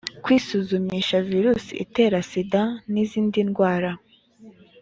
kwisuzumisha virusi itera sida n izindi ndwara